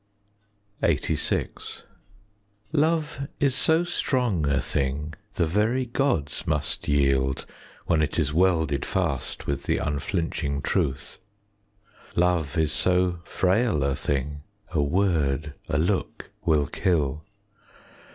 LXXXVI Love is so strong a thing, The very gods must yield, When it is welded fast With the unflinching truth. Love is so frail a thing, 5 A word, a look, will kill.